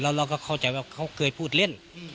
เราก็เข้าใจว่าเขาเคยพูดเล่น